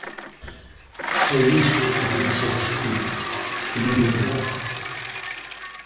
Foi iso o que quixeches ti, escribir un relato?